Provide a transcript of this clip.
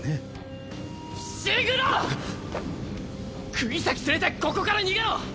釘崎連れてここから逃げろ！